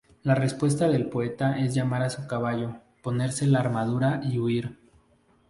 La respuesta del poeta es llamar a su caballo, ponerse la armadura y huir.